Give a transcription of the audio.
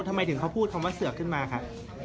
ทำไมถึงเขาพูดคำว่าเสือกขึ้นมาครับ